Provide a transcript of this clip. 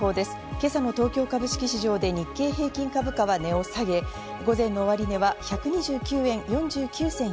今朝の東京株式市場で日経平均株価は値を下げました。